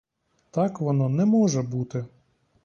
Так воно не може бути.